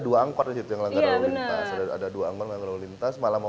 dua angkor disitu yang ngelanggar lalu lintas ada dua angkor nganggar lalu lintas malah mau